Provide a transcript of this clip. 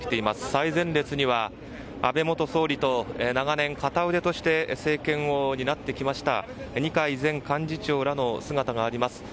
最前列には安倍元総理と長年、片腕として政権を担ってきました二階前幹事長らの姿があります。